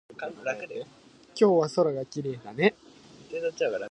今日は空がきれいだね。